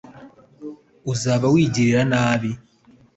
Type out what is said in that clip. uzaba wigirira nabi